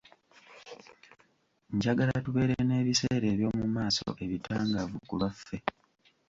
Njagala tubeere n’ebiseera eby’omu maaso ebitangaavu ku lwaffe.